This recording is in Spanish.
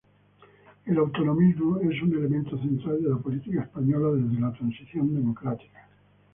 El autonomismo es un elemento central de la política española desde la transición democrática.